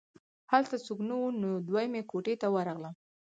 هلته څوک نه وو نو دویمې کوټې ته ورغلم